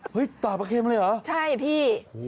เฮ้ยต่อประเข็มเลยเหรอใช่พี่